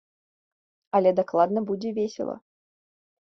Але дакладна будзе весела.